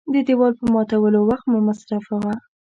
د دېوال په ماتولو وخت مه مصرفوه .